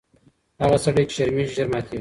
هغه سړی چي شرمیږي ژر ماتیږي.